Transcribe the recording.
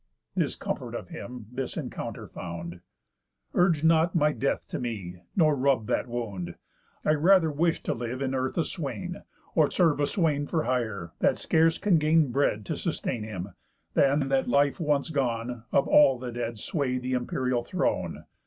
This comfort of him this encounter found; 'Urge not my death to me, nor rub that wound, I rather wish to live in earth a swain, Or serve a swain for hire, that scarce can gain Bread to sustain him, than, that life once gone, Of all the dead sway the imperial throne.